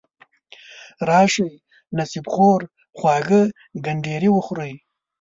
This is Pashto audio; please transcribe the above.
راشئ نصیب خورو خواږه کنډیري وخورئ.